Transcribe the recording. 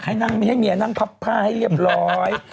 ให้เมียนั่งพับผ้าให้เรียบร้อย